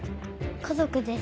家族です。